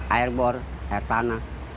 air bor air tanah